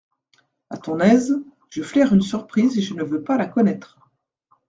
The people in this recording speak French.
À ton aise… je flaire une surprise et je ne veux pas la connaître…